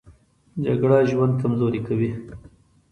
جګړه ژوند کمزوری کوي